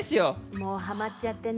もうハマっちゃってね。